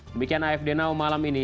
demikian afd now malam ini